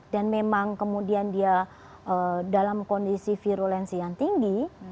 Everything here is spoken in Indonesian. dan memang kemudian dia dalam kondisi virulensi yang tinggi